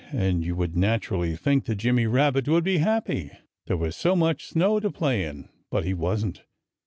And you would naturally think that Jimmy Rabbit would be happy, there was so much snow to play in. But he wasn't.